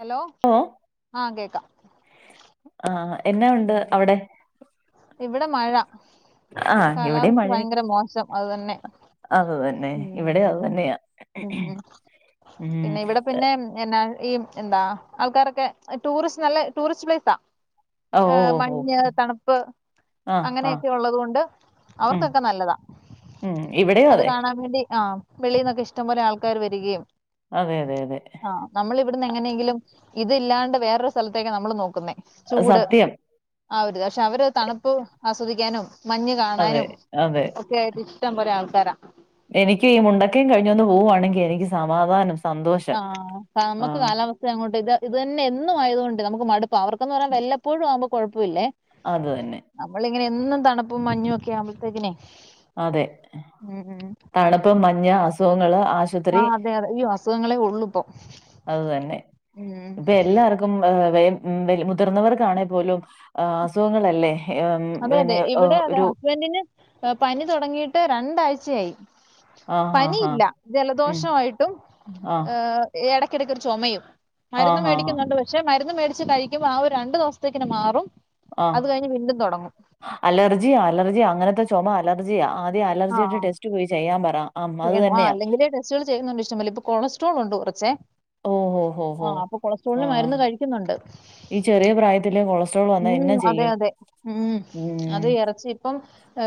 Hello ഓ ആഹ കേക്കാം ആഹ എന്നെ ഉണ്ട് ഉം അവിടെ. ഇവിടെ മഴ ആ ഇവിടെ കാലാവസ്ഥ മഴയൊക്കെ ഭയങ്കര മോശം അത് തന്നെ. അത് തന്നെ ഇവിടെ ഉം അത് തന്നെയാ ഉം ഉം. ഉം പിന്നെ ഇവിടെ പിന്നെ എന്നാ ഈ എന്താ ആൾക്കാരൊക്കെ ടൂറിസ്റ്റ് നല്ല ടൂറിസ്റ്റ് പ്ലേസാ. ഓ ആ ഓ ഓ മഞ്ഞ്, തണുപ്പ് ആ ആ അങ്ങനെയൊക്കെ ഉള്ളത് കൊണ്ട് ഉം അവർക്കൊക്കെ നല്ലതാ. ഉം ഇവിടെയും അത് അതെ കാണാൻ വേണ്ടി ആ വെളിയിൽ ന്നൊക്കെ ഇഷ്ടം പോലെ ആൾക്കാര് വരികയും. അതെ അതെ അതെ. നമ്മള് ഇവിടുന്ന് എങ്ങനെയെങ്കിലും ഇത് ഇല്ലാണ്ട് വേറൊരു സ്ഥലത്തേക്ക നമ്മൾ നോക്കുന്നേ ചൂട്. സത്യം ആവര് പക്ഷെ അവര് തണുപ്പ് ആസ്വദിക്കാനും മഞ്ഞ് അതെ കാണാനും. അതെ ക്കെ ആയിട്ട് ഇഷ്ടം പോലെ ആൾക്കാരാ. എനിക്ക് ഈ മുണ്ടക്കയും കഴിഞ്ഞൊന്ന് പോവുവാണെങ്കിൽ എനിക്ക് സമാധാനം സന്തോഷം ആഹ ആ നമ്മക്ക് കാലാവസ്ഥ. അങ്ങോട്ട ഇത് തന്നെ എന്നു ആയതുകൊണ്ട് നമുക്ക് മടുപ്പ അവർക്കന്ന് പറയാൻ വല്ലപ്പോഴും ആവുമ്പോ കുഴപ്പമില്ലേ. അത് തന്നെ. നമ്മളിങ്ങനെ എന്നും തണുപ്പും മഞ്ഞും ഒക്കെയാവുമ്പത്തേക്ക്നെ. അതെ തണുപ്പ് മഞ്ഞ അസുഖങ്ങള് ആസ് ആ അതെ അതെ ഈ അസുഖങ്ങളെ ഉള്ളൂപ്പൊ അത് തന്നെ ഉം ഇപ്പൊ എല്ലാവർക്കും മുതിർന്നവർക്കാണെ പോലും അസുഖങ്ങളല്ലേ? ഉം, അതെ അതെ പിന്നെ ഇവിടെ ഏഹ്, അതെ ഒരു ഹസ്ബൻറിന് പനി തുടങ്ങിയിട്ട് രണ്ടാഴ്ചയായി. ആ ഹാ ഹാ പനിയില്ല ഉം ജലദോഷമായിട്ടും ആഹ് ഏഹ ഇടയ്ക്കിടയ്ക്ക ഒരു ചുമയും മരുന്ന് ആഹ് ആഹ് മേടിക്കുന്നുണ്ട്. പക്ഷെ മരുന്ന് മേടിച്ച് കഴിക്കുമ്പോ ആ ഒരു രണ്ട് ദിവസതേകിന് മാറും അത് കഴിഞ്ഞ് വീണ്ടും തുടങ്ങും. അലർജി അലർജി അങ്ങനത്തെച്ചു ചുമ അലർജിയാ ആദ്യം അലർജിയുടെ ആഹ് ടെസ്റ്റ് പോയി ചെയ്യാൻ പറ അ അത് ചെയ്യണം ആ തന്നെയാ. അല്ലെങ്കിലേ ടെസ്റ്റുകൾ ചെയ്യുന്നുണ്ട് ഇഷ്ടം പോലെ ഇപ്പം കൊളസ്ട്രോൾണ്ട് കുറച്ചേ ഓ ഹോ ഹോ ആ ഹോ അപ്പൊ കൊളസ്ട്രോളില് ആഹ് മരുന്ന് കഴിക്കുന്നുണ്ട്. ഈ ചെറിയ പ്രായത്തില് കൊളസ് ഉം അതെ അതെ ഉം ഉം അത് ഇറച്ചി. ഇപ്പം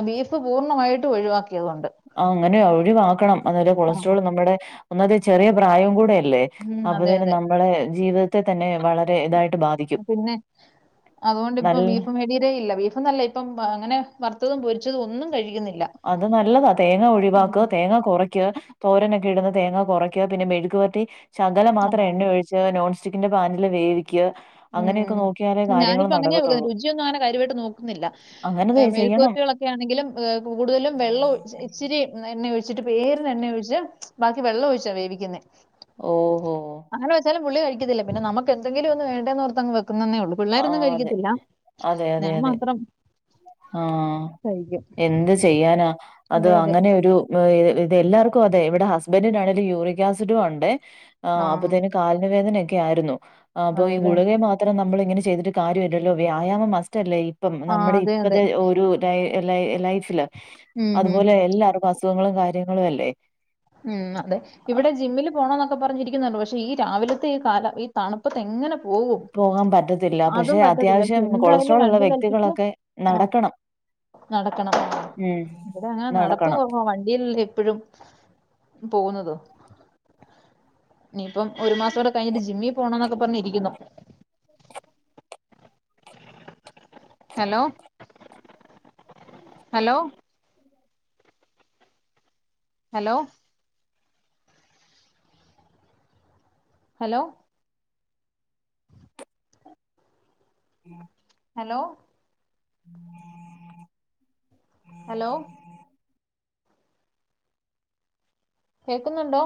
ബീഫ് പൂർണ്ണമായിട്ടും ഒഴിവാക്കിയതുകൊണ്ട്. ആ അങ്ങനെയ ഒഴിവാക്കണം അല്ല ആ കൊളസ്ട്രോൾ നമ്മുടെ ഒന്നമതെ ചെറിയ പ്രായം കൂടെയല്ലേ. ഉം അപ്പൊ അതെ തന്നെ അതെ നമ്മുളെ ജീവിതത്തെ തന്നെ വള പിന്നെ അതൊണ്ട് ഇപ്പ നല്ല ബീഫ് മേ മേടിക്കലേയില്ല ബീഫ്ന്നല്ല ഇപ്പം അങ്ങനെ വറുത്തതും പൊരിച്ചതും ഒന്നും കഴിക്കുന്നില്ല. അത് നല്ലതാ തേങ്ങ ഒഴിവാക്ക ഉം തേങ്ങ കുറയ്ക്കുക തോരനൊക്കെ ഇടുന്ന തേങ്ങ കുറയ്ക്കുക പിന്നെ മെഴുകു വരറ്റി ശകല ആ മാത്രം എണ്ണ ഒഴിച്ച് നോൺ സ്റ്റിക്കിന്റെ പാനില് വേവിക്ക. ഉം ഞാനിപ്പോ അങ്ങനെയാക്കുന്നത് രുചിയൊന്നുങ്ങനെ കര്യായിട്ട് നോക്കുന്നില്ല അങ്ങനെ ദേ മെഴുക്കു ചെയ്യണം വരട്ടികളൊക്കെ ക്ക്യണെങ്കിലും ഹ് കൂടുതലും വെള്ളംഓയിച് ഇച്ചിരി എണ്ണ ഒഴി വെച്ചിട്ട് പേര്ണ് എണ്ണ ഒഴിച്ച് ബാക്കി വെള്ളം ഒഴിച്ചാ വേവിക്കു ന്നെ ഓഹോ അങ്ങനെ വെച്ചാലും പുള്ളി കഴിക്കത്തില്ല. പിന്നെ നമക്ക് എന്തെങ്കിലും ഒന്ന് വേണ്ടേന്ന്ഓർത്തങ്ങ് വെക്കുന്നന്നേ ഉള്ളൂ. ആ പിള്ളാരൊന്നും അതെ കഴിക്കത്തില്ല അതെ അതെ ഞാൻ അതെ മാത്രം. ആഹ് കഴിക്കും. എന്ത് ചെയ്യാനാ അത് അതെ, അതെ. അങ്ങനൊ ഒരു. ഇത് എല്ലാർകും അതെ ഇവിടെ ഹസ്ബൻറിനാണേല് യൂറിക് ആസിഡും ഉണ്ട് ആ. അപ്പതേനും. കാലിന് വേദനൊക്കെ ആയിരുന്നു. അപ്പോ ഈ അതേല്ലേ. ഗുളികി മാ ഇത്രം നമ്മൾ ഇങ്ങനെ ചെയ്തിട്ട് കാര്യലല്ലോ വ്യായാമം മസ്റ്റ് അല്ലേ ഇപ്പം ആ നമ്മുടെ അതെ, അതെ. ഇപ്പത്തെ ലൈഫില് ഉം, ഉം. അതുപോലെ എല്ലാർക്കും അസുഖങ്ങളും കാര്യങ്ങളും അല്ലേ? ഉം അതെ ആഹ് ഇവിടെ ജിമ്മിൽ പോകണം എന്നൊക്കെ പറഞ്ഞിരിക്കുന്നുണ്ട് പക്ഷെ ഈ രാവിലത്തെ ഈ കാല ഈ തണുപ്പത്ത് എങ്ങനെ പോകും? പോകാൻ പറ്റത്തില്ല അതും പക്ഷെ പറ്റത്തില്ല. പക്ഷെ അത്യാവശ്യം എന്തായാലും കൊളസ്ട്രോൾ ഉള്ള രണ്ടും കൽപ്പിച്ച് വ്യക്തികളൊക്കെ. ആ നടക്കണം. നടക്കണം ഉം ഇവിടെ അങ്ങനെ നടക്കണം. നടപ്പ് കൊറവാ വണ്ടിലല്ലേ എപ്പോഴും. പോകുന്നത് ഇനിയിപ്പം ഒരു മാസം കൂടെ കഴിഞ്ഞിട്ട് ജിമ്മിൽ പോണോന്നൊക്കെ പറിഞ്ഞിരിക്കുന്നു. Hello hello hello hello. [inaudible] Hello [inaudible] hello കേക്കുന്നുണ്ടോ?